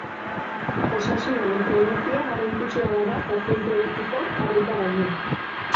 Osasunaren promozioa garrantzitsuagoa da pazientearekiko arreta baino.